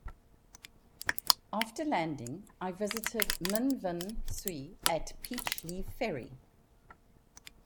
After landing, I visited Min Vin-sui at Peach Leave Ferry.